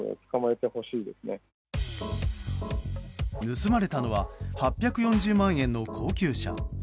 盗まれたのは８４０万円の高級車。